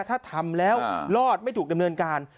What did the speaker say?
ถ้าทำแล้วรอดไม่ถูกดำเนินการ